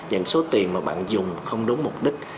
những số tiền mà bạn dùng không đúng mục đích